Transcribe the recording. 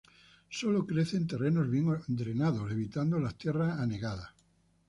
Solo crece en terrenos bien drenados, evitando las tierras anegadas.